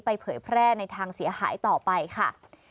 เผยแพร่ในทางเสียหายต่อไปค่ะ